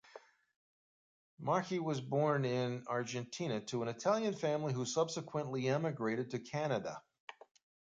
Marchi was born in Argentina to an Italian family who subsequently emigrated to Canada.